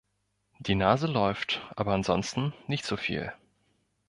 Die Nase läuft, aber ansonsten nicht so viel.